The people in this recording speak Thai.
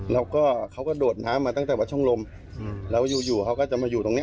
แล้วก็เขาก็โดดน้ำมาตั้งแต่วัดช่องลมแล้วอยู่เขาก็จะมาอยู่ตรงนี้